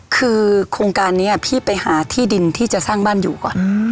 คือโครงการนี้พี่ไปหาที่ดินที่จะสร้างบ้านอยู่ก่อน